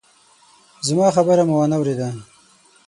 زما خبره مو وانه ورېده!